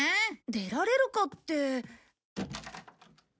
出られるかって。